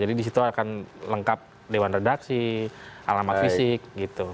jadi disitu akan lengkap lewat redaksi alamat fisik gitu